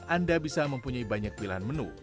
anda bisa mempunyai banyak pilihan menu